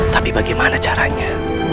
tapi bagaimana caranya